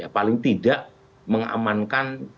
paling tidak mengamankan